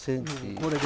これで。